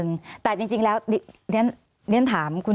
สวัสดีครับทุกคน